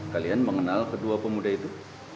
kalian mengenal kedua pemuda itu